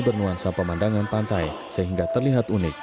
bernuansa pemandangan pantai sehingga terlihat unik